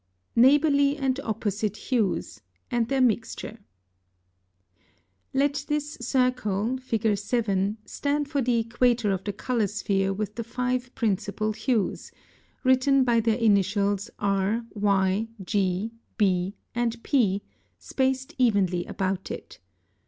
+Neighborly and opposite hues; and their mixture.+ (56) Let this circle (Fig. 7) stand for the equator of the color sphere with the five principal hues (written by their initials R, Y, G, B, and P) spaced evenly about it.